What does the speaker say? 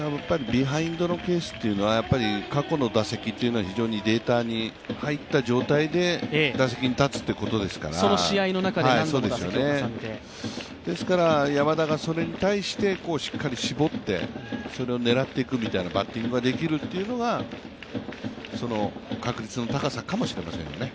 ビハインドのケースというのは過去の打席というのが非常にデータに入った状態で打席に立つということですから、山田がそれに対してしっかり絞って、それを狙っていくみたいなバッティングができるというのが確率の高さかもしれませんね。